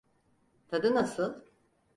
Tadı nasıl?